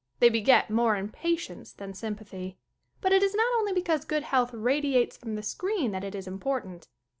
They beget more impatience than sympathy. But it is not only because good health rad iates from the screen that it is important.